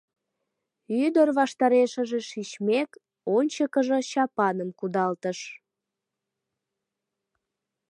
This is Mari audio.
Ӱдыр ваштарешыже шичмек, ончыкыжо чапаным кудалтыш.